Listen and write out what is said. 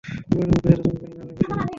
পরিবারের মুখে যাতে চুন-কালি না লাগে সেজন্য?